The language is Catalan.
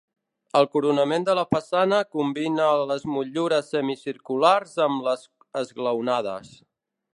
El coronament de la façana combina les motllures semicirculars amb les esglaonades.